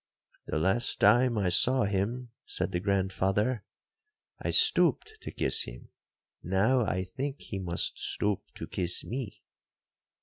'—'The last time I saw him,' said the grandfather, 'I stooped to kiss him; now I think he must stoop to kiss me.'